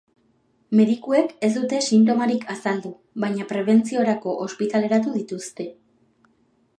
Medikuek ez dute sintomarik azaldu, baina prebentziorako ospitaleratu dituzte.